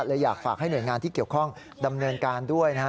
เลยอยากฝากให้หน่วยงานที่เกี่ยวข้องดำเนินการด้วยนะฮะ